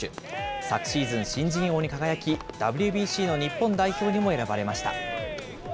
昨シーズン、新人王に輝き、ＷＢＣの日本代表にも選ばれました。